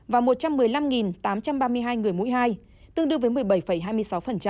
và một trăm một mươi năm tám trăm ba mươi hai người mỗi hai tương đương với một mươi bảy hai mươi sáu